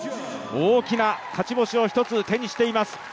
大きな勝ち星を１つ手にしています